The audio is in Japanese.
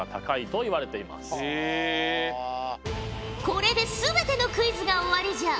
これで全てのクイズが終わりじゃ。